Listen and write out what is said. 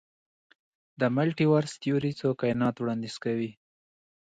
د ملټي ورس تیوري څو کائنات وړاندیز کوي.